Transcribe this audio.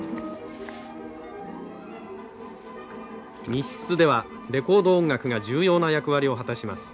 密室ではレコード音楽が重要な役割を果たします。